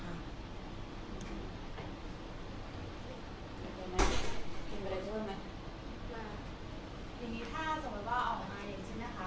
อย่างนี้ถ้าสมมติว่าออกมาอย่างนี้นะคะ